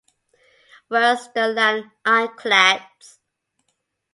Wells's "The Land Ironclads".